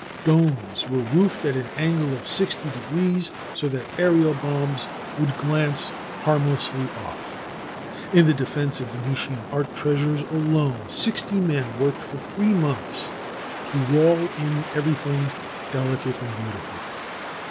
Domes were roofed at an angle of sixty degrees, so that aerial bombs would glance harmlessly off. In the defence of Venetian art treasures alone, sixty men worked for three months to wall in everything delicate and beautiful.